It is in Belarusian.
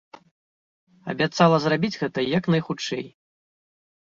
Абяцала зрабіць гэта як найхутчэй.